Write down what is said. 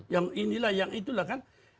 yang inilah yang itulah kan